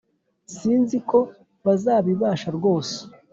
Sinziko bazabibasha rwose